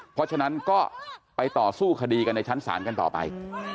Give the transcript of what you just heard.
เพราะฉะนั้นก็ไปต่อสู้คดีกันในชั้นศาลกันต่อไป